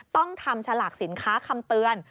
ต้องทำฉลากสินค้าคำเตือน